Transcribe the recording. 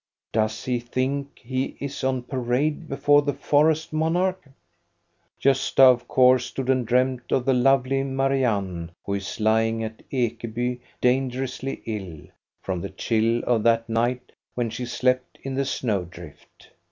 Does he think he is on parade before the forest monarch ? Gosta of course stood and dreamed of the lovely Marianne, who is lying at Ekeby dangerously ill, from the chill of that night when she slept in the snow drift.